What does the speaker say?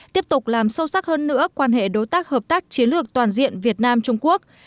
tiếp tục làm sâu sắc hơn nữa quan hệ đối tác hợp tác chiến lược toàn diện việt nam trung quốc